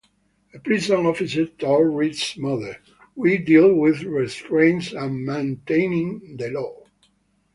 A prison officer told Reed's mother, We deal with restraint and maintaining the law.